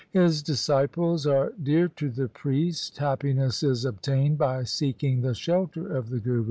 His disciples are dear to the Priest ; happiness is obtained by seeking the shelter of the Guru.